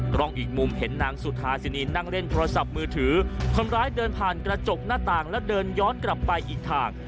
กล้องอีกมุมเห็นนางสุธาสินีนนั่งเล่นโทรศัพท์มือถือคนร้ายเดินผ่านกระจกหน้าต่างแล้วเดินย้อนกลับไปอีกทาง